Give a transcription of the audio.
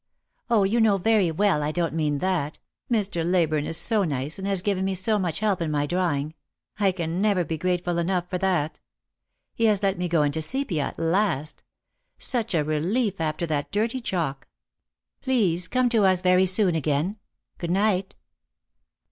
" 0, you know very well, I don't mean that. Mr. Leyburne is so nice, and has given me such help in my drawing ; I can never be grateful enough for that. He has let me go into sepia at last ; such a relief after that dirty chalk ! Please come to see us very soon again. Good night